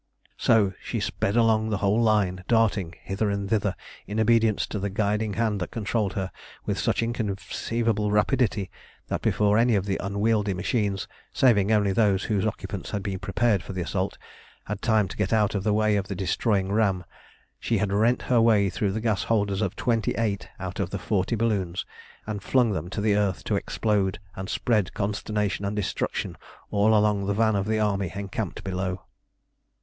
So she sped along the whole line, darting hither and thither in obedience to the guiding hand that controlled her, with such inconceivable rapidity that before any of the unwieldy machines, saving only those whose occupants had been prepared for the assault, had time to get out of the way of the destroying ram, she had rent her way through the gas holders of twenty eight out of the forty balloons, and flung them to the earth to explode and spread consternation and destruction all along the van of the army encamped below.